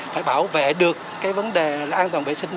phải bảo vệ được vấn đề an toàn vệ sinh